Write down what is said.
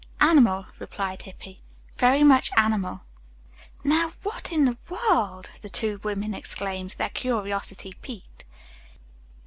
"Animal," replied Hippy. "Very much animal." "Now, what in the world," the two women exclaimed, their curiosity piqued.